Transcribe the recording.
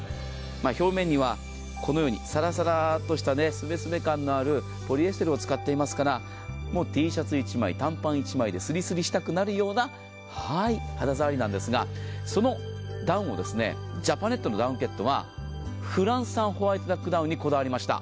表面にはサラサラッとしたすべすべしたポリエステルを使っていますからＴシャツ１枚、短パン１枚でスリスリしたくなるような肌触りなんですが、そのダウンをジャパネットのダウンケットは、フランス産ホワイトダックダウンにこだわりました。